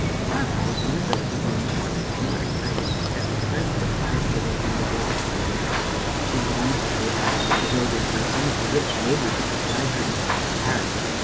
Barbara was one of those who grew more and more excited as the time for the prize giving and ball drew near. She longed to be asked to go there by some of the rich neighbors who could drive her in their carriage.